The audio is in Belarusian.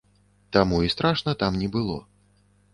Таму і страшна там не было.